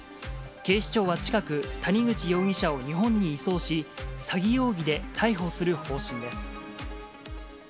警視庁は近く、谷口容疑者を日本に移送し、詐欺容疑で逮捕する方針です。